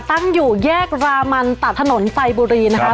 ตั้งอยู่แยกรามันตัดถนนไฟบุรีนะคะ